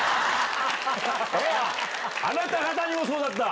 あなた方にもそうだった？